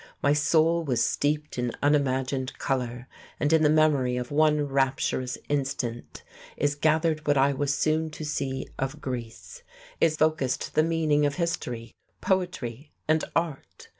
My soul was steeped in unimagined colour, and in the memory of one rapturous instant is gathered what I was soon to see of Greece, is focussed the meaning of history, poetry and art.